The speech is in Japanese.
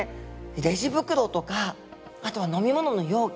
レジ袋とかあとは飲み物の容器